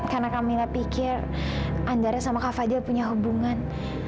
karena kamila pikir andara sama kak fadil punya hubungan